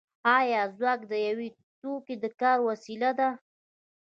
آیا ځواک د یو توکي د کار وسیله ده